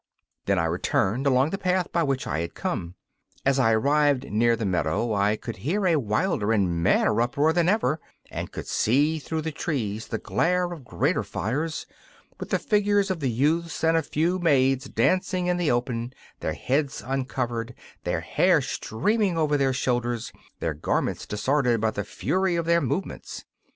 Then I returned along the path by which I had come. As I arrived near the meadow, I could hear a wilder and madder uproar than ever, and could see through the trees the glare of greater fires, with the figures of the youths and a few maids dancing in the open, their heads uncovered, their hair streaming over their shoulders, their garments disordered by the fury of their movements.